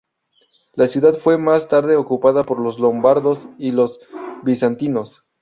La ciudad fue más tarde ocupada por los lombardos y los bizantinos.